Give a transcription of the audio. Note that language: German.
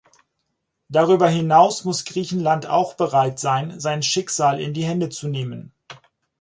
Darüber hinaus muss Griechenland auch bereit sein, sein Schicksal in die Hände zu nehmen.